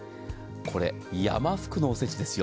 これ、山福のおせちです。